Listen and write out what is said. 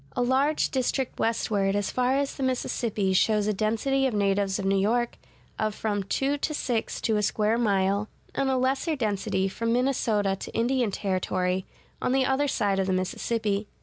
A large district westward as far as the Mississippi shows a density of natives of New York of from two to six to a square mile, and a lesser density from Minnesota to Indian Territory, on the other side of the Mississippi.